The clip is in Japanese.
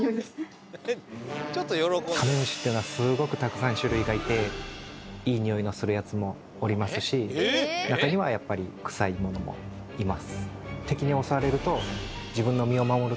カメムシっていうのはすごくたくさん種類がいていいニオイのするやつもおりますし中にはやっぱり臭いものもいます。